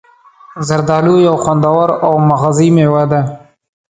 زردآلو یو خوندور او مغذي میوه ده.